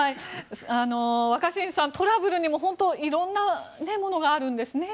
若新さん、トラブルにも本当に色々なものがあるんですね。